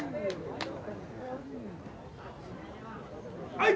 はい！